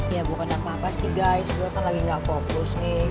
ya bukan apa apa sih guys gue kan lagi gak fokus nih